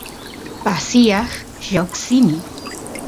pasiaq lloqsini